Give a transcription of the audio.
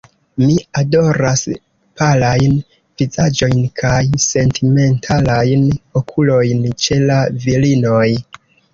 Mi adoras palajn vizaĝojn kaj sentimentalajn okulojn ĉe la virinoj.